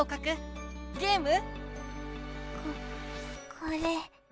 ここれ。